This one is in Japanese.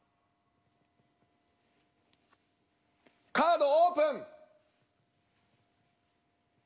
カードオープン！